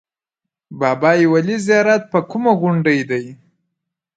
بابای ولي زیارت په کومه غونډۍ دی؟